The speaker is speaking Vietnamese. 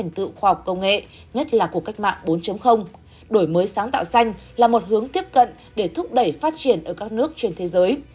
đổi mới sáng tạo xanh là một hướng tiếp cận để thúc đẩy phát triển ở các nước trên thế giới